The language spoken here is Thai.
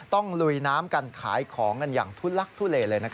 ลุยน้ำกันขายของกันอย่างทุลักทุเลเลย